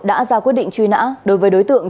đã ra quyết định truy nã đối với đối tượng